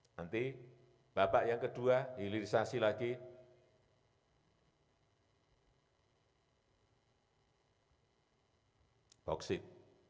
nanti babak yang kedua di hilirisasi lagi bauksit